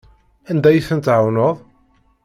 Anda ay tent-tɛawneḍ?